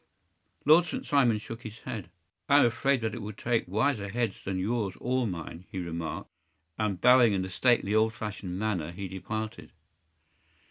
” Lord St. Simon shook his head. “I am afraid that it will take wiser heads than yours or mine,” he remarked, and bowing in a stately, old fashioned manner, he departed.